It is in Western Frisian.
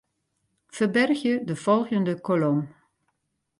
Ferbergje de folgjende kolom.